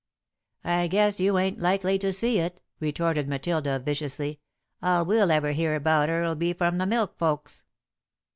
"I guess you ain't likely to see it," retorted Matilda, viciously. "All we'll ever hear about her'll be from the milk folks."